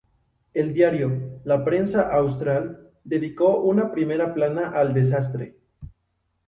El diario "La Prensa Austral" dedicó una primera plana al desastre.